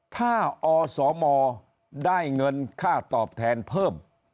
ถ้าอสมได้เงินค่าตอบแทนเพิ่ม